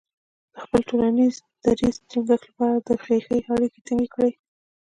د خپل ټولنیز دریځ ټینګښت لپاره یې د خیښۍ اړیکې ټینګې کړې.